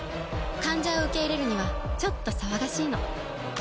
患者を受け入れるにはちょっと騒がしいの。